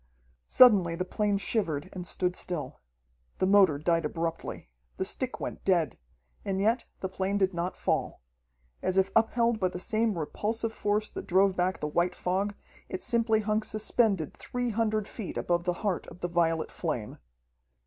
Suddenly the plane shivered and stood still. The motor died abruptly. The stick went dead. And yet the plane did not fall. As if upheld by the same repulsive force that drove back the white fog, it simply hung suspended three hundred feet above the heart of the violet flame.